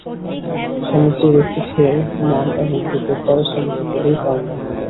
সমুদ্রের একটি ঢেউ নাম এবং রূপের দ্বারা সীমিত বলেই তার নাম ঢেউ।